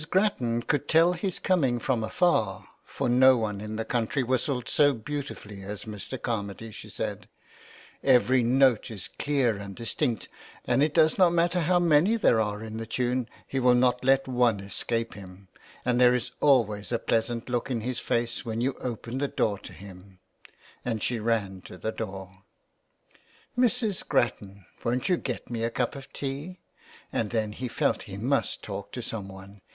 Grattan could tell his coming from afar, for no one in the country whistled so beautifully as Mr. Car mady, she said, " every note is clear and distinct; and it does not matter how many there are in the tune he will not let one escape him and there is always a pleasant look in his face when you open the door to him ;" and she ran to the door. " Mrs. Grattan, won't you get me a cup of tea ?" And then he felt he must talk to some one.